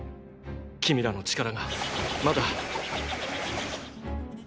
君らの力がまだ！